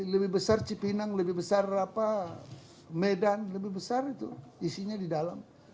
lebih besar cipinang lebih besar medan lebih besar itu isinya di dalam